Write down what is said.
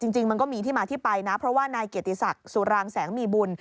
จริงมันก็มีที่มาที่ไปนะเพราะว่านายเกียรติศักดิ์สุรางแสงมีบุญ